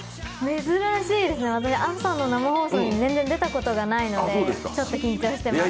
珍しいですね、朝の生放送に全然出たことがないのでちょっと緊張してます。